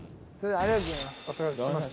ありがとうございます。